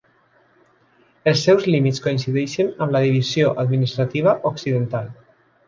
Els seus límits coincideixen amb la divisió administrativa occidental.